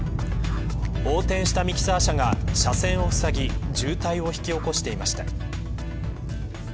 横転したミキサー車が車線をふさぎ渋滞を引き起こしていました。